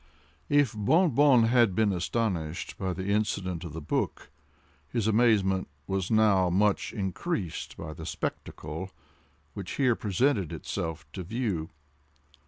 If Bon Bon had been astonished at the incident of the book, his amazement was now much increased by the spectacle which here presented itself to view.